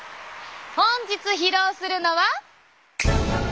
本日披露するのは。